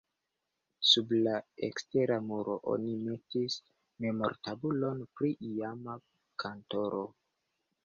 Sur la ekstera muro oni metis memortabulon pri iama kantoro.